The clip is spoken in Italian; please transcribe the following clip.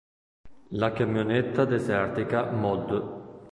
La Camionetta Desertica Mod.